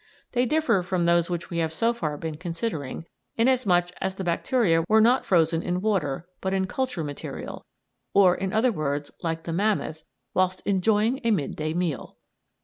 They differ from those which we have so far been considering, inasmuch as the bacteria were not frozen in water, but in culture material, or, in other words, like the mammoth, whilst enjoying a midday meal!